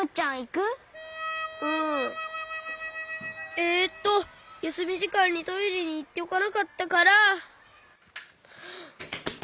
えっとやすみじかんにトイレにいっておかなかったから。